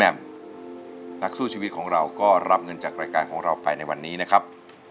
นักสู้ชีวิตของเราก็รับเงินจากรายการของเราไปในวันนี้นะครับ